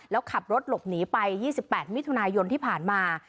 แล้วขับรถหลบหนีไป๒๘มิถุนายนที่ผ่านมา